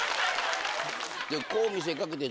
でこう見せかけて。